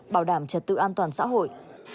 bảo đảm trật tự an toàn xã hội